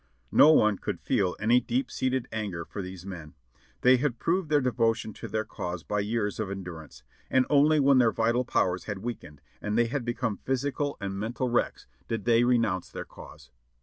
No one could feel any deep seated anger for these men ; they had proved their devotion to their cause by years of endurance, and only when their vital powers had weakened and they had become physi cal and mental ^^•recks, did they renounce their cause.